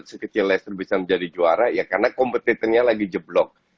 sekecil leicester bisa menjadi juara ya karena kompetitornya lagi jeblok